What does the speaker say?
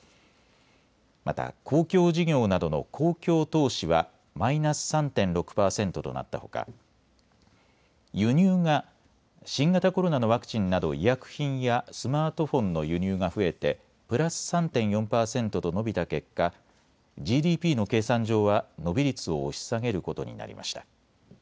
また公共事業などの公共投資はマイナス３．６％となったほか輸入が新型コロナのワクチンなど医薬品やスマートフォンの輸入が増えてプラス３．４％と伸びた結果、ＧＤＰの計算上は伸び率を押し下げることになりました。